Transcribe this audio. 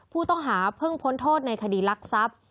ผู้ต้องหาเพิ่งพ้นโทษในคดีลักทรัพย์